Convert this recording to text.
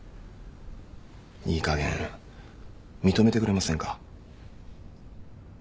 いいかげん認めてくれませんか。